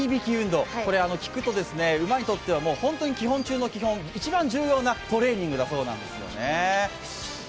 これ聞くと、馬にとっては本当に基本中の基本、一番重要なトレーニングだそうなんですね。